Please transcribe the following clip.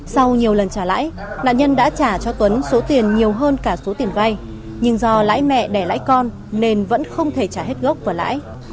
sau nhiều lần trả lãi nạn nhân đã trả cho tuấn số tiền nhiều hơn cả số tiền vay nhưng do lãi mẹ đẻ lãi con nên vẫn không thể trả hết gốc và lãi